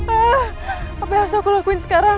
ah apa yang harus aku lakuin sekarang